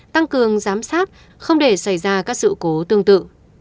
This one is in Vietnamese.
tăng cường giám sát không để xảy ra các sự cố tương tự